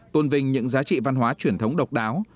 tôn vinh những giá trị văn hóa truyền thống độc đáo